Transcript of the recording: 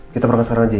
kita berkesan aja ya